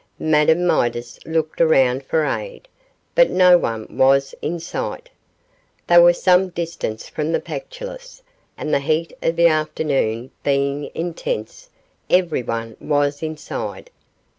Madame Midas looked around for aid, but no one was in sight. They were some distance from the Pactolus, and the heat of the afternoon being intense, every one was inside.